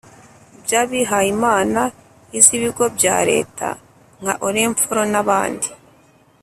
by’abihaye imana, iz’ibigo bya leta nka orinfor n’abandi.